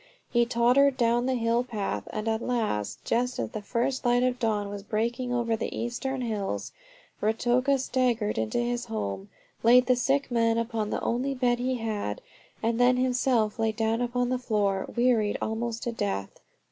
He tottered down the hill path, and at last, just as the first light of dawn was breaking over the eastern hills, Ruatoka staggered into his home, laid the sick man upon the only bed he had, and then himself laid down upon the floor, wearied almost to death.